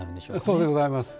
そうでございます。